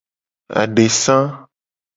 Adesa.